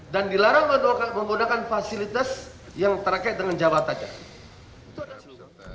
dan dilarang menggunakan fasilitas yang terkait dengan jabat tajam